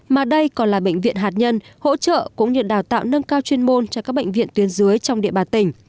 mà đây còn là bệnh viện hạt nhân hỗ trợ cũng như đào tạo nâng cao chuyên môn cho các bệnh viện tuyến dưới trong địa bàn tỉnh